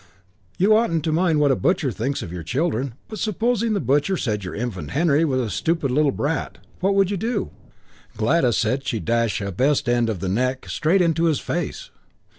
'You oughtn't to mind what a butcher thinks of your children; but supposing the butcher said your infant Henry was a stupid little brat; what would you do?' Gladys said she'd dash a best end of the neck straight into his face."